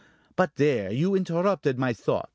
But there, you interrupted my thought!